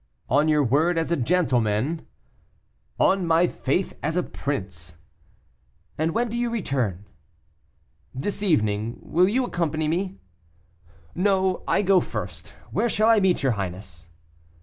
"On your word as a gentleman?" "On my faith as a prince." "And when do you return?" "This evening; will you accompany me?" "No, I go first; where shall I meet your highness?"